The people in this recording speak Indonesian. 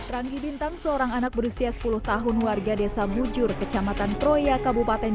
ranggi bintang seorang anak berusia sepuluh tahun warga desa bujur kecamatan proya kabupaten